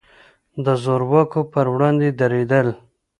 د زور واکو پر وړاندې درېدل.